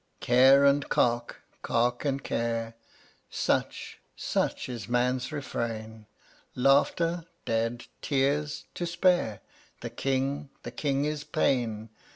124 Care and cark, cark and care, Such — such is man's refrain. Laughter? Dead. Tears? To spare. The king? The king is Pain.